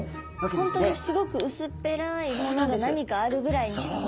本当にすごくうすっぺらいものが何かあるぐらいにしか見えない？